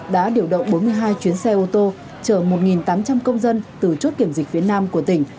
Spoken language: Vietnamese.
đã điều động bốn mươi hai chuyến xe ô tô chở một tám trăm linh công dân từ chốt kiểm dịch phía nam của tỉnh